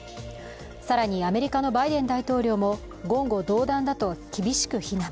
更に、アメリカのバイデン大統領も言語道断だと厳しく非難。